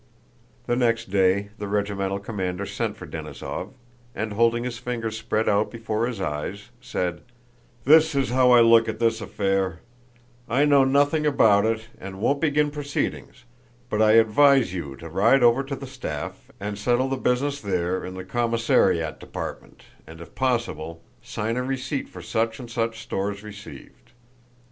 The next day the regimental commander sent for Denísov, and holding his fingers spread out before his eyes said: "This is how I look at this affair: I know nothing about it and won't begin proceedings, but I advise you to ride over to the staff and settle the business there in the commissariat department and if possible sign a receipt for such and such stores received.